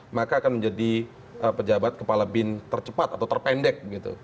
maka akan menjadi pejabat kepala bin tercepat atau terpendek